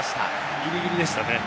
ギリギリでしたね。